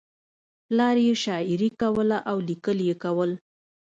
پلار یې شاعري کوله او لیکل یې کول